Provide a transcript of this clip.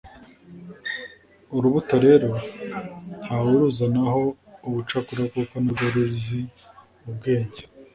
urubuto rero ntawuruzana ho ubucakura kuko narwo ruzi ubwenge,